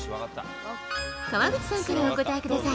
川口さんからお答えください。